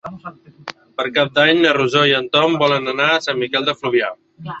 Per Cap d'Any na Rosó i en Tom volen anar a Sant Miquel de Fluvià.